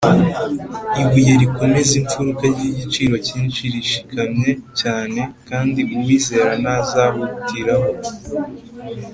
ibuye rikomeza imfuruka ry’igiciro cyinshi rishikamye cyane, kandi uwizera ntazahutiraho